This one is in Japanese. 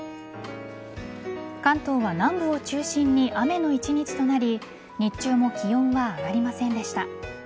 関東は南部を中心に雨の一日となり日中も気温は上がりませんでした。